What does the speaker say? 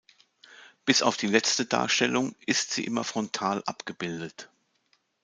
Bis auf die letzte Darstellung ist sie immer frontal abgebildet.